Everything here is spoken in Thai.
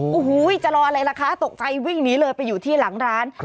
โอ้โหจะรออะไรล่ะคะตกใจวิ่งหนีเลยไปอยู่ที่หลังร้าน